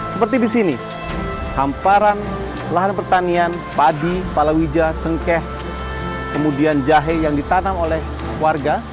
seperti di sini hamparan lahan pertanian padi palawija cengkeh kemudian jahe yang ditanam oleh warga